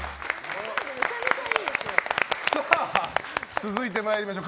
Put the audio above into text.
続いて参りましょう。